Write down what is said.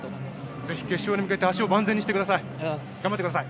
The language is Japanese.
ぜひ決勝に向けて足を万全にしてください。